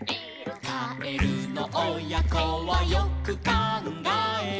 「かえるのおやこはよくかんがえる」